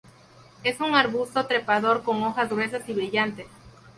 Es un arbusto trepador con hojas gruesas y brillantes.